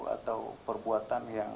atau perbuatan yang